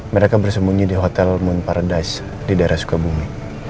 mereka bersembunyi di hotel moon paradise di daerah sukabumi